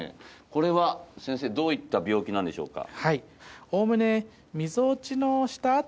これは先生どういった病気なんでしょうか？